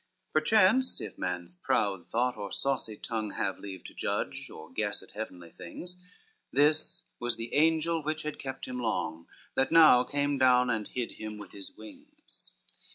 XXI Perchance, if man's proud thought or saucy tongue Have leave to judge or guess at heavenly things, This was the angel which had kept him long, That now came down, and hid him with his wings.